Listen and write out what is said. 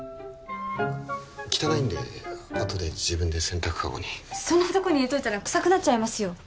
汚いんであとで自分で洗濯カゴにそんなとこに入れといたら臭くなっちゃいますよ